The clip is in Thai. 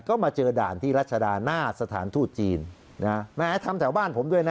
ก็มาเจอด่านที่รัชดาหน้าสถานทูตจีนนะฮะแม้ทำแถวบ้านผมด้วยนะ